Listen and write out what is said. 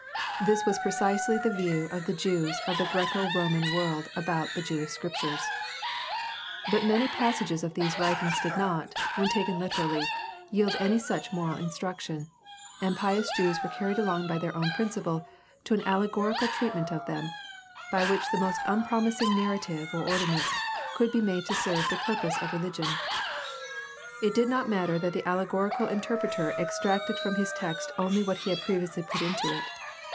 This was precisely the view of the Jews of the Graeco Roman world about the Jewish scriptures. But many passages of these writings did not, when taken literally, yield any such moral instruction, and pious Jews were carried along by their own principle to an allegorical treatment of them, by which the most unpromising narra tive or ordinance could be made to serve the purposes of religion. It did not matter that the allegorical interpreter extracted from his text only what he had previously put into it.